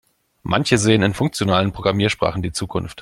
Manche sehen in funktionalen Programmiersprachen die Zukunft.